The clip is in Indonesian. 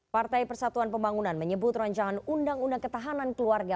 partai persatuan pembangunan menyebut rancangan undang undang ketahanan keluarga